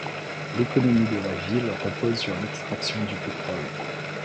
L'économie de la ville repose sur l'extraction du pétrole.